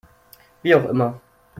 Wie auch immer.